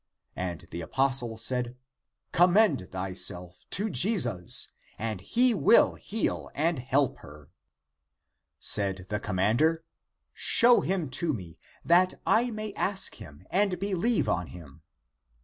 And the apostle said, " Commend thyself to Jesus, and he will heal and help her," Said the commander, " Show him to me, that I may ask him and believe on him."